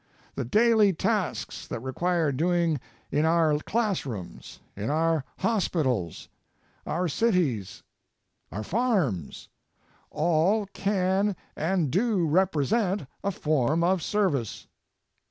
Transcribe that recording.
The daily tasks that require doing in our classrooms, in our hospitals, our cities, our farms, all can and do represent a form of service.